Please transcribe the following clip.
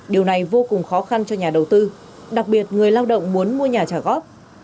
điều này vô cùng khó khăn cho nhà đầu tư đặc biệt người lao động muốn mua nhà trả góp